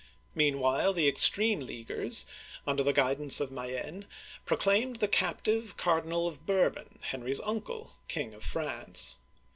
Meanwhile the extreme Leaguers, under the guidance of Mayenne, pro claimed the captive Cardinal of Bourbon, Henry's uncle, King of France.